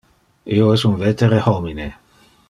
Io es un vetere homine.